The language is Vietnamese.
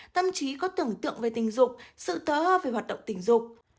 tâm trí có tưởng tượng về tình dục sự tớ hoa về hoạt động tình dục